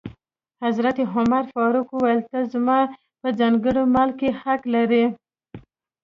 حضرت عمر فاروق وویل: ته زما په ځانګړي مال کې حق لرې.